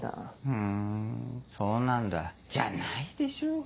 「ふんそうなんだ」じゃないでしょうが。